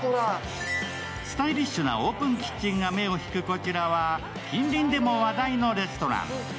スタイリッシュなオープンキッチンが目を引くこちらは、近隣でも話題のレストラン。